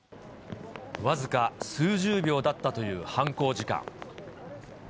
僅か数十秒だったという犯行時間。